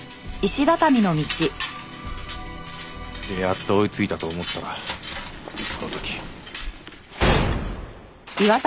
やっと追いついたと思ったらその時。